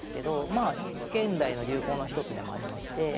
まあ現代の流行の一つでもありまして